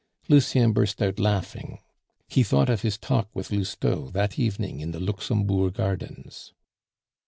Lucien burst out laughing; he thought of his talk with Lousteau that evening in the Luxembourg Gardens.